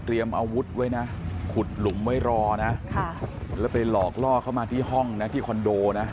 อาวุธไว้นะขุดหลุมไว้รอนะแล้วไปหลอกล่อเข้ามาที่ห้องนะที่คอนโดนะ